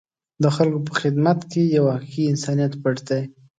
د خلکو په خدمت کې یو حقیقي انسانیت پټ دی.